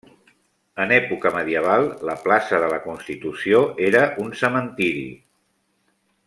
En època medieval, la plaça de la Constitució era un cementeri.